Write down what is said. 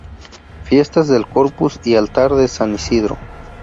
Fiestas del Corpus y altar de San Isidro.